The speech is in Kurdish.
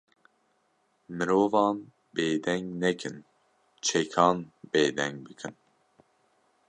Mirovan bêdeng nekin, çekan bêdeng bikin